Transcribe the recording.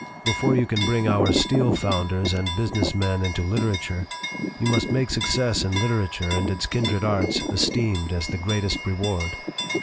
"Before you can bring our steel founders and business men into literature you must make suc cess in literature and its kindred arts esteemed 172 BUSINESS AND ART as the greatest reward.